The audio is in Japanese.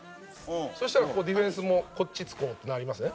そしたら、ディフェンスもこっち、つこうってなりますね。